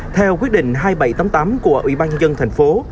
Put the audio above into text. theo quyết định hai nghìn bảy trăm tám mươi tám của ủy ban nhân dân thành phố